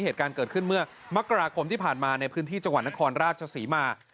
ที่ผ่านมาในพื้นที่จังหวัดนครราชศรีมา